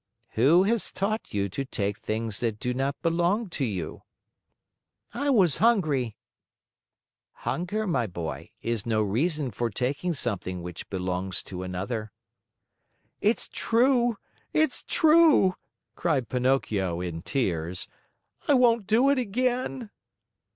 "Who has taught you to take things that do not belong to you?" "I was hungry." "Hunger, my boy, is no reason for taking something which belongs to another." "It's true, it's true!" cried Pinocchio in tears. "I won't do it again."